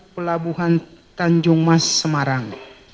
pelabuhan tanjung mas semarang